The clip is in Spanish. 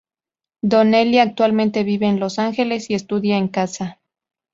Donnelly actualmente vive en Los Angeles y estudia en casa.